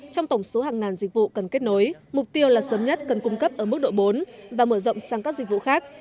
trong tổng số hàng ngàn dịch vụ cần kết nối mục tiêu là sớm nhất cần cung cấp ở mức độ bốn và mở rộng sang các dịch vụ khác